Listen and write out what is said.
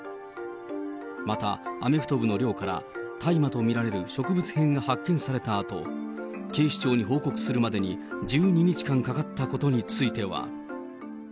また、アメフト部の寮から大麻と見られる植物片が発見されたあと、警視庁に報告するまでに１２日間かかったことについては。